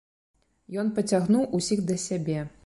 Ён пацягнуў усіх да сябе.